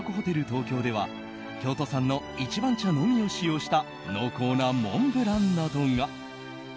東京では京都産の一番茶のみを使用した濃厚なモンブランなどが。